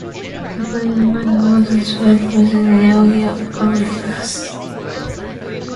The present Mahant or Chief Priest is Yogi Adityanath.